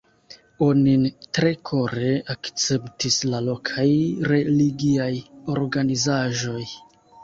Onin tre kore akceptis la lokaj religiaj organizaĵoj.